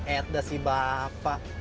edda sih bapak